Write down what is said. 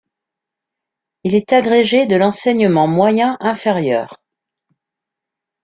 Il est agrégé de l'enseignement moyen inférieur.